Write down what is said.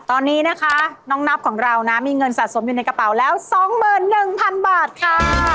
ตอนนี้นะคะน้องนับของเรานะมีเงินสะสมอยู่ในกระเป๋าแล้ว๒๑๐๐๐บาทค่ะ